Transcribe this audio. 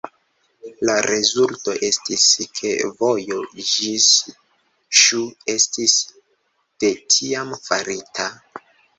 La rezulto estis ke vojo ĝis Ŝu estis de tiam farita.